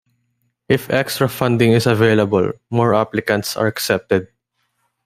If extra funding is available, more applicants are accepted.